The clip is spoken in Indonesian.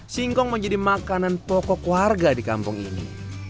singkong menjadi makanan pokok warga di kampung ini